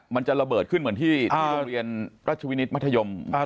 มันจะระเบิดขึ้นเหมือนที่โรงเรียนราชวินิตมัธยม